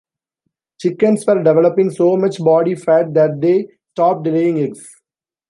Chickens were developing so much body fat that they stopped laying eggs.